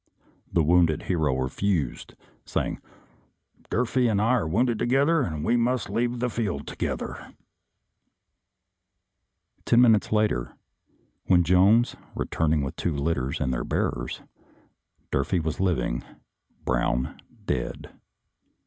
The wounded hero refused, saying, " Durfee and I were wounded together and must leave the field together." Ten minutes later, when Jones returned with two litters and their bearers, Dur fee was living, Brown dead.